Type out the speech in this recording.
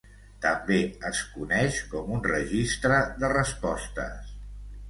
També és coneix com un registre de respostes.